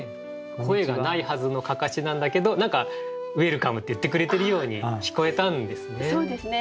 声がないはずの案山子なんだけど何か「ウエルカム」って言ってくれてるように聞こえたんですね。